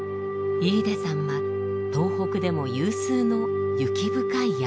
飯豊山は東北でも有数の雪深い山。